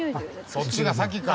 そっちが先か。